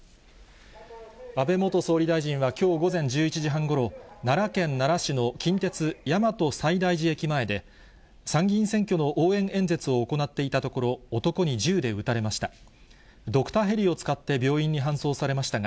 安倍元総理大臣はきょう午前１１時半ごろ、奈良県奈良市の近鉄大和西大寺駅前で、参議院選挙の応援演説を行っていたところ、男に銃で撃たれました。